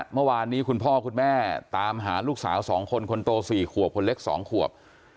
เมื่อวานนี้คุณพ่อคุณแม่ตามหาลูกสาว๒คนคนโต๔ขวบคนเล็ก๒ขวบ